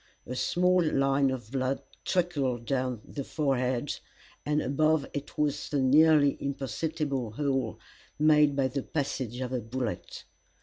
A small line of blood trickled down the forehead, and above it was the nearly imperceptible hole made by the passage of a bullet.